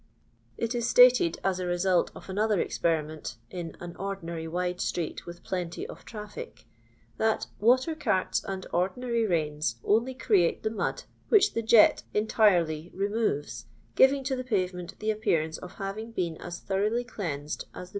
It is stated aa the refult of another experiment in " an ordinary wide street with plenty of traffic," that "water carts and ordinary rains only create the mud which the jet«entirely remores, giving to the pavement the appearance of having been as thoroughly cleansed as the.